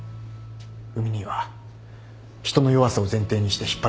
海兄は人の弱さを前提にして引っ張っていく。